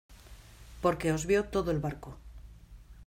porque os vio todo el barco.